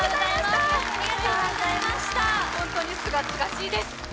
本当にすがすがしいです。